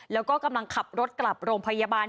แล้วก็กำลังขับรถกลับโรงพยาบาล